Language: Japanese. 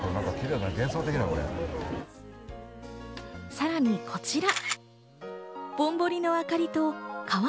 さらにこちら。